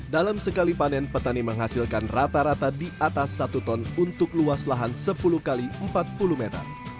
dalam sekali panen petani menghasilkan rata rata di atas satu ton untuk luas lahan sepuluh x empat puluh meter